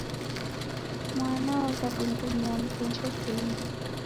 Mwana w'aw'adungumia, mghenje w'ulinyi